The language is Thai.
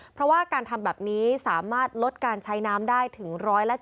เพราะว่าการทำแบบนี้สามารถลดการใช้น้ำได้ถึง๑๗๐